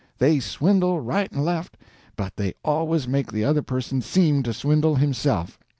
They swindle, right and left, but they always make the other person SEEM to swindle himself.